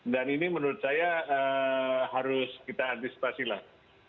dan ini menurut saya harus kita antisipasilah